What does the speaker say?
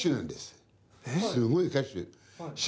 すごい歌手。